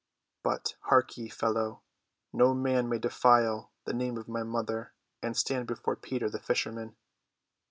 But, hark ye, fellow, no man may defile the name of my mother and stand before Peter, the fisherman."